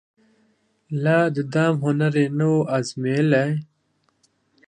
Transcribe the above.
لا د دام هنر یې نه وو أزمېیلی